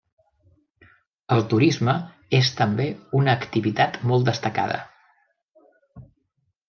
El turisme és també una activitat molt destacada.